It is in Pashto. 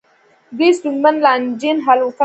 دوی ستونزمنې لانجې حل و فصل کولې.